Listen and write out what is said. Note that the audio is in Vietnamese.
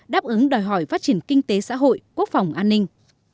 đáp ứng đòi hỏi phát triển kinh tế xã hội quốc phòng an ninh